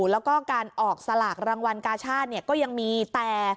แล้วก็การออกสลากรางวัลกาชาติก็ยังมีแต่